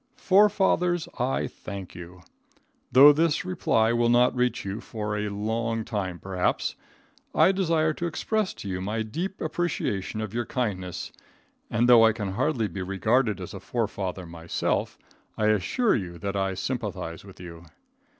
Forefathers, I thank you! Though this reply will not reach you for a long time, perhaps, I desire to express to you my deep appreciation of your kindness, and, though I can hardly be regarded as a forefather myself, I assure you that I sympathize with you.